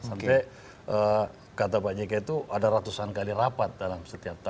sampai kata pak jk itu ada ratusan kali rapat dalam setiap tahun